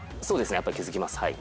そうですねやっぱ気付きます。